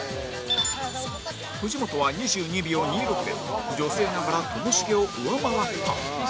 藤本は２２秒２６で女性ながらともしげを上回った